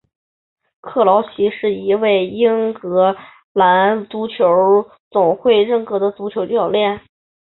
克劳奇是一位英格兰足球总会认证的足球教练。